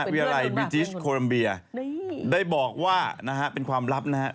เวียรัยบิติชโคลัมเบียได้บอกว่าเป็นความลับนะฮะ